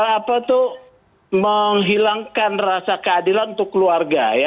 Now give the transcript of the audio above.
apa itu menghilangkan rasa keadilan untuk keluarga ya